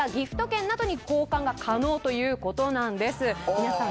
皆さん